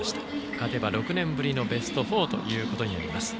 勝てば６年ぶりのベスト４となります。